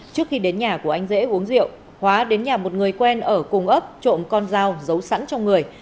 trước khi đến nhà của anh dễ uống rượu hóa đến nhà một người quen ở cùng ấp trộm con dao giấu sẵn trong người